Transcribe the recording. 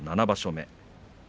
７場所目。